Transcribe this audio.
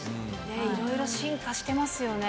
いろいろ進化してますよね。